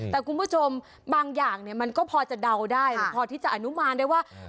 แต่คุณผู้ชมบางอย่างเนี่ยมันก็พอจะเดาได้พอที่จะอนุมานได้ว่า